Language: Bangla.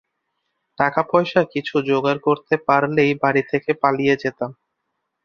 টাকা পয়সা কিছু জোগাড় করতে পারলেই বাড়ি থেকে পালিয়ে যেতাম।